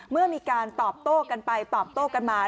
เมื่อมีการตอบโต้กันไปตอบโต้กันมา